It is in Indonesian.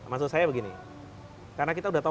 maksud saya begini karena kita sudah tahu